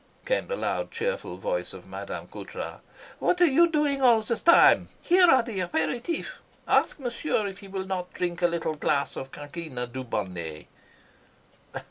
came the loud, cheerful voice of Madame Coutras, "what are you doing all this time? Here are the . Ask if he will not drink a little glass of Quinquina Dubonnet."